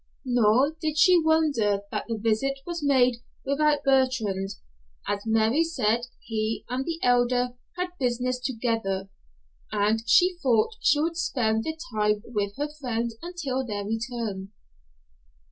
Nor did she wonder that the visit was made without Bertrand, as Mary said he and the Elder had business together, and she thought she would spend the time with her friend until their return.